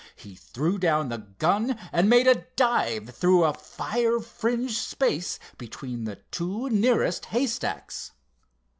He threw down the gun and made a dive through a fire fringed space between the two nearest haystacks.